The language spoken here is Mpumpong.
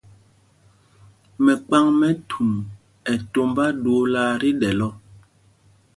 Mɛkphaŋmɛtum ɛ tombá ɗuulaa tí ɗɛ́l ɔ.